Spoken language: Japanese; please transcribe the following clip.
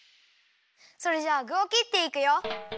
それじゃあぐをきっていくよ。